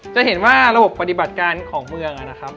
จะเห็นว่าระบบปฏิบัติการของเมืองนะครับ